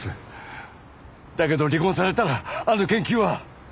だけど離婚されたらあの研究は。